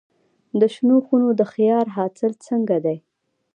د شنو خونو د خیار حاصل څنګه دی؟